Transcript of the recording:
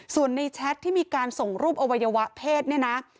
ส่วนในแชทที่มีการส่งรูปอวัยวะเพศเนี่ยนะ